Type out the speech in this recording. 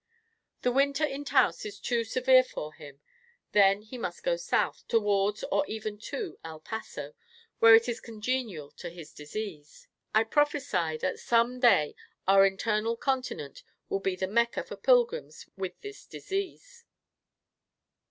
The winter in Taos is too severe for him; then, he must go South, towards, or even to El Paso, where it is congenial to his disease. I prophesy that some day our internal continent will be the "Mecca" for pilgrims with this disease.